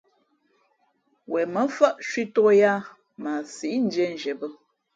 Wen mάmfάʼ cwītōk yāā mα a síʼ ndīē nzhie bᾱ.